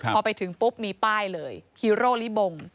พอไปถึงปุ๊บมีป้ายเลยฮีโร่ลิบง